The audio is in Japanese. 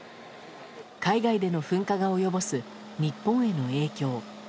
海外での噴火が及ぼす日本への影響。